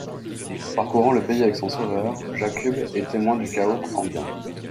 Parcourant le pays avec son sauveur, Jakub est témoin du chaos ambiant.